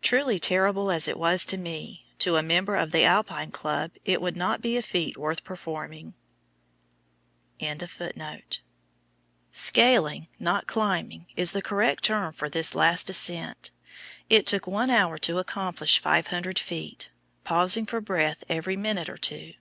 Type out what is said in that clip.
Truly terrible as it was to me, to a member of the Alpine Club it would not be a feat worth performing. SCALING, not climbing, is the correct term for this last ascent. It took one hour to accomplish 500 feet, pausing for breath every minute or two.